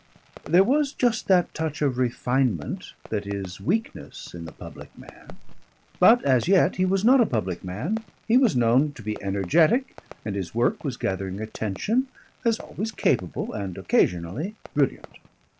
There was just that touch of refinement that is weakness in the public man. But as yet he was not a public man; he was known to be energetic and his work was gathering attention as always capable and occasionally brilliant.